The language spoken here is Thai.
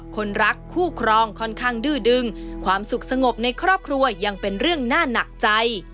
คนรักคู่ครองค่อนข้างดื้อดึงความสุขสงบในครอบครัวยังเป็นเรื่องน่าหนักใจ